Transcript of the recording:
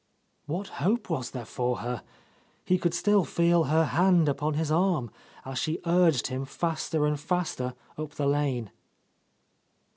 '' What hope was there for her? He could still feel her hand upon his arm, as she urged him faster and faster up the lane.